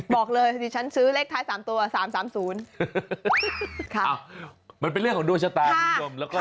มันเป็นเรื่องของดัวแชร์แทนะเยินยม